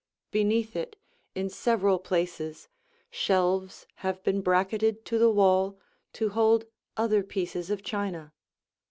Beneath it, in several places, shelves have been bracketed to the wall to hold other pieces of china.